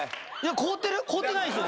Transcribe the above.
凍ってないですよね？